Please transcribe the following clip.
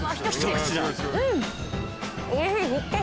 うん！